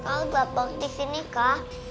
kau nggak waktu sini kak